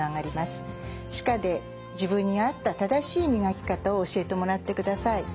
歯科で自分に合った正しい磨き方を教えてもらってください。